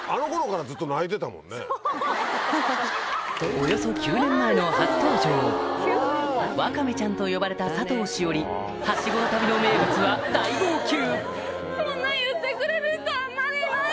およそ９年前の初登場ワカメちゃんと呼ばれた佐藤栞里ハシゴの旅の名物は大号泣